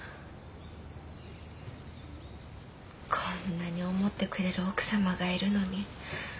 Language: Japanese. こんなに思ってくれる奥様がいるのに。